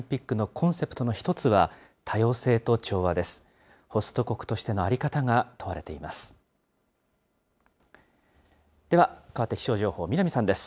ホスト国としての在り方が問われています。